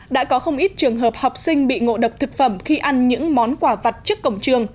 đã có không ít trường hợp học sinh bị ngộ độc thực phẩm khi ăn những món quà vặt trước cổng trường